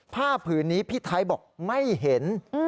ผ้าผืนนี้พี่ไทยบอกไม่เห็น